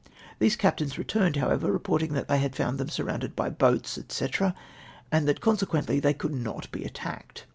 " These Captains returned, however, reporting that they had found them suri'ounded by boats. See, and that, conse quently, they could not be attacked.